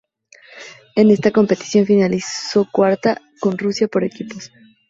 En esta competición finalizó cuarta con Rusia por equipos.